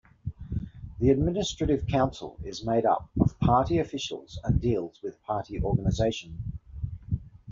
The Administrative Council is made up of Party officials and deals with Party organisation.